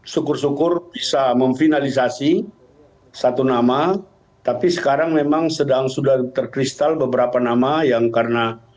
syukur syukur bisa memfinalisasi satu nama tapi sekarang memang sedang sudah terkristal beberapa nama yang karena